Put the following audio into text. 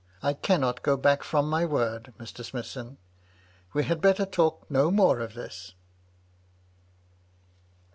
I cannot go back from my word, Mr. Smithson. We had better talk no more of this."